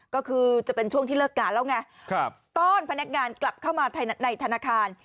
ก็คือจะเป็นช่วงที่เลิกงานแล้วไงต้อนพนักงานกลับเข้ามาในธนาคาร